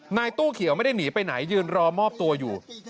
นายตู้เขียวไม่ได้หนีไปไหนยืนรอมอบตัวอยู่